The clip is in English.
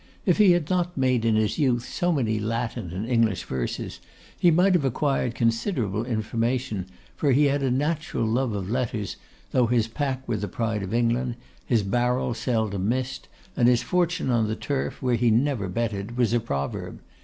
If he had not made in his youth so many Latin and English verses, he might have acquired considerable information, for he had a natural love of letters, though his pack were the pride of England, his barrel seldom missed, and his fortune on the turf, where he never betted, was a proverb.